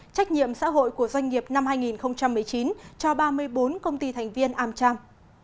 trách nhiệm xã hội của doanh nghiệp năm hai nghìn một mươi chín cho ba mươi bốn công ty thành viên amcham